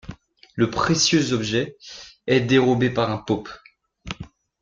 Le précieux objet est dérobé par un pope.